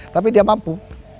tapi dia mampu